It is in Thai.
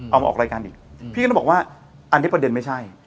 มาออกรายการอีกพี่ก็ต้องบอกว่าอันนี้ประเด็นไม่ใช่